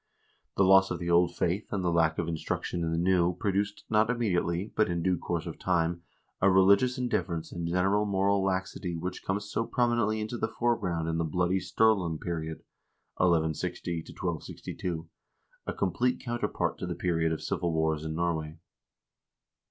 The loss of the old faith and the lack of instruc tion in the new produced, not immediately, but in due course of time a religious indifference and general moral laxity which comes so prominently into the foreground in the bloody Sturlung period 1160 1262, a complete counterpart to the period of civil wars in Norway.